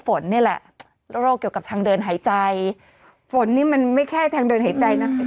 ฝนนี่แหละโรคเกี่ยวกับทางเดินหายใจฝนนี่มันไม่แค่ทางเดินหายใจนะ